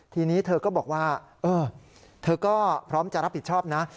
ทีนี้เธอก็บอกว่าเออเธอก็พร้อมจะรับผิดชอบนะ